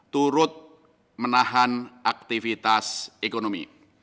turut menahan aktivitas ekonomi